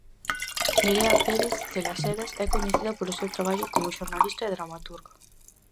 Nerea Pérez de las Heras é coñecida polo seu traballo como xornalista e dramaturga.